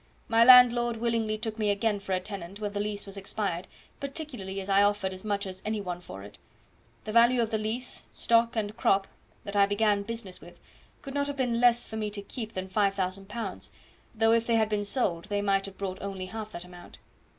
My landlord willingly took me again for a tenant when the lease was expired, particularly as I offered as much as any one for it. The value of the lease, stock, and crop, that I began business with, could not have been less for me to keep than 5,000 pounds, though if they had been sold they might have brought only half that amount.